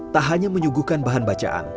tak hanya menyuguhkan bahan bacaan